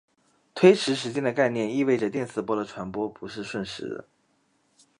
推迟时间的概念意味着电磁波的传播不是瞬时的。